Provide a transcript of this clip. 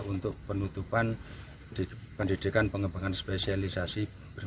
untuk penutupan pendidikan pengembangan spesialisasi